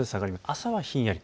朝はひんやり